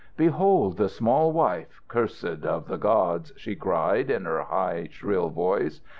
"Behold the small wife, cursed of the gods!" she cried in her high, shrill voice.